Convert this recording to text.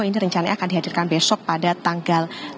ini rencananya akan dihadirkan besok pada tanggal